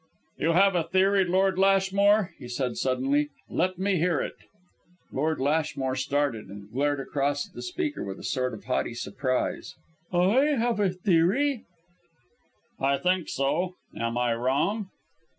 "You have a theory, Lord Lashmore," he said suddenly. "Let me hear it." Lord Lashmore started, and glared across at the speaker with a sort of haughty surprise. "I have a theory?" "I think so. Am I wrong?"